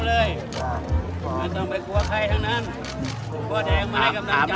อ๋อเรียบร้อยเรียบร้อยครับพี่พ่อกลับไปชะเทศนะพี่พ่อกลับไปชะเทศนะ